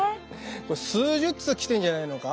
数十通来てんじゃないのか。